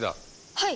はい！